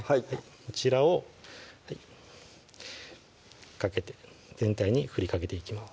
こちらをかけて全体に振りかけていきます